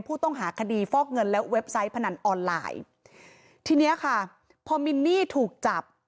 ผู้ต้องหาคดีฟอกเงินและเว็บไซต์พนันออนไลน์ทีเนี้ยค่ะพอมินนี่ถูกจับ